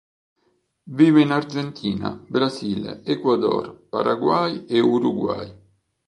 Vive in Argentina, Brasile, Ecuador, Paraguay e Uruguay.